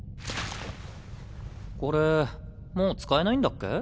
これもう使えないんだっけ？